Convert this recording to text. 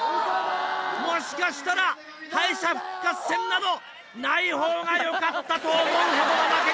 もしかしたら敗者復活戦などないほうがよかったと思うほどの負け方でした！